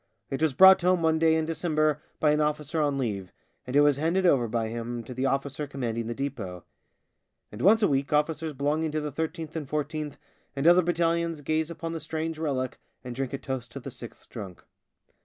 It was brought home one day in December by an officer on leave, and it was handed over by him to the officer commanding the depot. And once a week officers belonging to the 13th and 14th and other battalions gaze upon the strange relic and drink a toast to the Sixth Drunk.